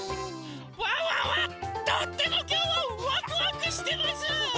ワンワンはとってもきょうはワクワクしてます！